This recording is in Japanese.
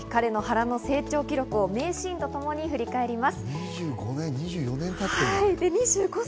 彼の波乱の成長記録を名シーンとともに振り返ります。